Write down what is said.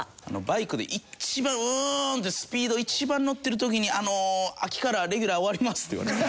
バイクで一番ブゥーンってスピード一番のってる時にあのー秋からレギュラー終わりますって言われた。